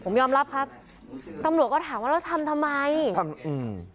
ผมยอมรับครับตำรวจก็ถามว่าแล้วทำทำไมทำอืม